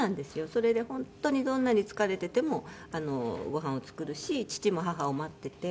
それで本当にどんなに疲れていてもご飯を作るし父も母を待っていて。